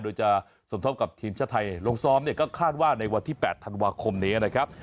โดยจะสมทบกับทีมชาติไทยลงซ้อมเนี่ยก็คาดว่าในวันที่๘ธันวาคมนี้นะครับ